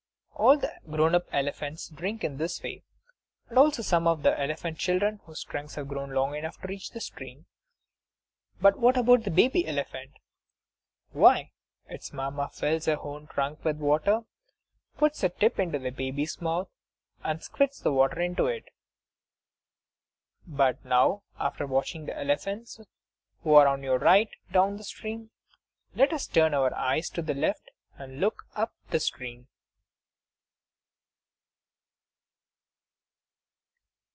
All the grown up elephants drink in this way, and also some of the elephant children whose trunks have grown long enough to reach the stream. But what about a baby elephant? Why, its Mamma fills her own trunk with water, puts the tip into the baby's mouth and squirts the water into it. But now after watching the elephants who are on our right, down the stream let us turn our eyes to the left, and look up the stream.